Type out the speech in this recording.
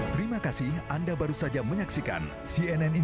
pergi saja pulang dengan balik menggunakan kesta bitcoin